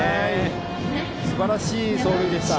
すばらしい走塁でした。